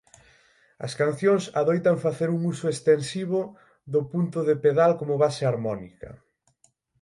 As cancións adoitan facer un uso extensivo do punto de pedal como base harmónica.